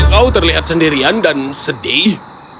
kau terlihat sendirian dan sedih